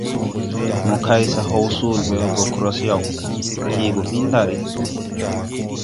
Mo kay haw soole ɓe we go krod yaw, hee gɔ ɓi ndar.